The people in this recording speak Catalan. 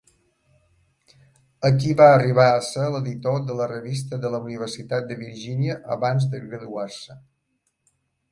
Aquí va arribar a ser l'editor de la revista de la Universitat de Virginia abans de graduar-se.